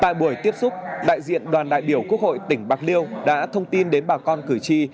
tại buổi tiếp xúc đại diện đoàn đại biểu quốc hội tỉnh bạc liêu đã thông tin đến bà con cử tri